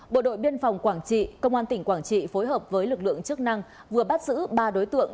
bộ đội biên phòng quảng trị công an tỉnh quảng trị phối hợp với lực lượng chức năng vừa bắt giữ ba đối tượng